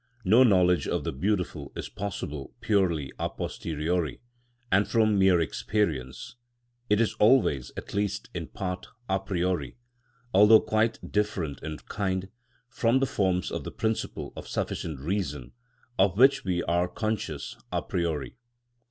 No knowledge of the beautiful is possible purely a posteriori, and from mere experience; it is always, at least in part, a priori, although quite different in kind, from the forms of the principle of sufficient reason, of which we are conscious a priori.